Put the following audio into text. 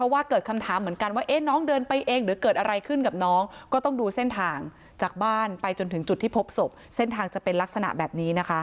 ว่าเกิดคำถามเหมือนกันว่าน้องเดินไปเองหรือเกิดอะไรขึ้นกับน้องก็ต้องดูเส้นทางจากบ้านไปจนถึงจุดที่พบศพเส้นทางจะเป็นลักษณะแบบนี้นะคะ